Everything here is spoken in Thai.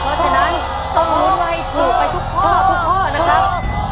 เพราะฉะนั้นต้องรู้ว่าให้ถูกไปทุกข้อทุกข้อนะครับ